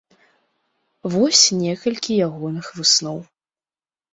Вось некалькі ягоных высноў.